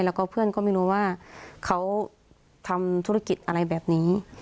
แล้วก็เพื่อนก็ไม่รู้ว่าเขาทำธุรกิจอะไรแบบนี้